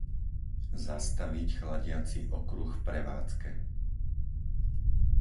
Zastaviť chladiaci okruh v prevádzke.